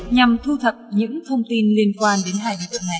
nhằm thu thập những thông tin liên quan đến hai mươi tuổi này